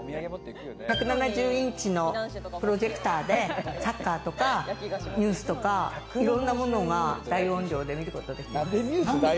１７０インチのプロジェクターでサッカーとか、ニュースとか、いろんなものが大音量で見ることができます。